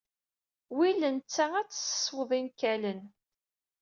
Wel tetta ad tseswed inkalen.